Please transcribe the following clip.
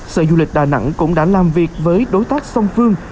sở du lịch đà nẵng cũng đã làm việc với đối tác song phương